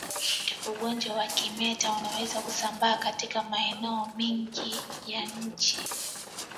Ugonjwa wa kimeta unaweza kusambaa katika maeneo mengi ya nchi